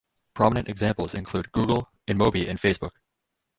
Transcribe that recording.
Prominent examples include Google, InMobi and Facebook.